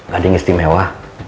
gak ada yang istimewa